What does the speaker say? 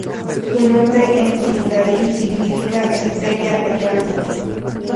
Su nombre en sindarin significa ‘estrella errante’.